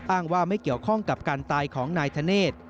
อ้างว่าไม่เกี่ยวข้องกับการตายของนายธเนธ